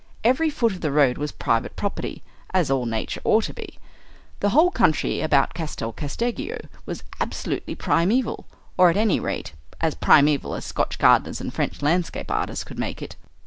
Every foot of the road was private property, as all nature ought to be. The whole country about Castel Casteggio was absolutely primeval, or at any rate as primeval as Scotch gardeners and French landscape artists could make it.